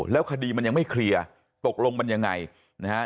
แล้วคดีมันยังไม่เคลียร์ตกลงมันยังไงนะฮะ